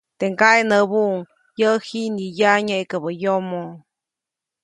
Teʼ ŋgaʼe näbuʼuŋ, -yäʼ jiʼnyäʼä nyeʼkäbä yomo-.